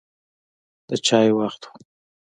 د چای وخت و.